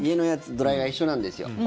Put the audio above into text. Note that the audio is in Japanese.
ドライヤーが一緒なんですよ。